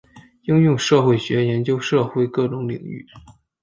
应用社会学研究社会各种领域。